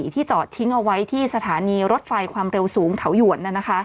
ที่จอดทิ้งเอาไว้ที่สถานีรถไฟความเร็วสูงเขาหยวน